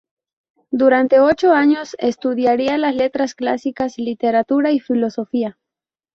Durante ocho años estudiará las letras clásicas, literatura y filosofía.